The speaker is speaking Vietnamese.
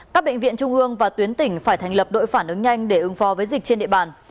các bệnh viện trung ương và tuyến tỉnh phải thành lập đội phản ứng nhanh để ứng phó với dịch trên địa bàn